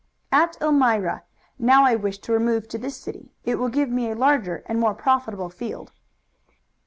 "At Elmira. Now I wish to remove to this city. It will give me a larger and more profitable field."